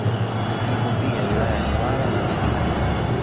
Ipo pia wilaya ya Newala na Nanyumbu